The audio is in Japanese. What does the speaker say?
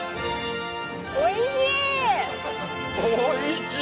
おいしー。